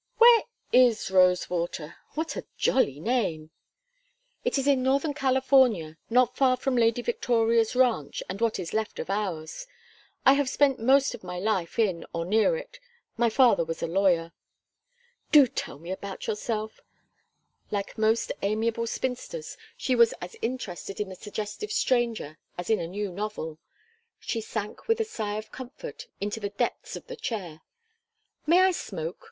"Where is Rosewater? What a jolly name!" "It is in northern California, not far from Lady Victoria's ranch and what is left of ours. I have spent most of my life in or near it my father was a lawyer." "Do tell me about yourself!" Like most amiable spinsters, she was as interested in the suggestive stranger as in a new novel. She sank with a sigh of comfort into the depths of the chair. "May I smoke?